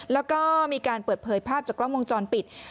แล้วก็มีการเปิดเผยภาพจากกล้องวงจรปิด